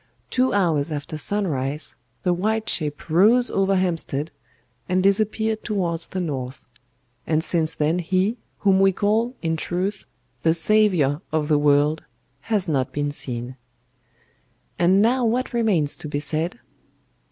Two hours after sunrise the white ship rose over Hampstead and disappeared towards the North; and since then he, whom we call, in truth, the Saviour of the world, has not been seen. "And now what remains to be said?